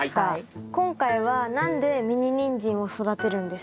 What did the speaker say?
今回は何でミニニンジンを育てるんですか？